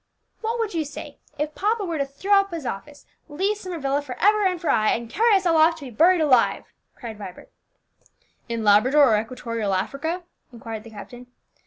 "What would you say if papa were to throw up office, leave Summer Villa for ever and for aye, and carry us all off to be buried alive?" cried Vibert. "In Labrador or equatorial Africa?" inquired the captain.